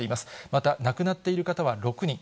また亡くなっている方は６人。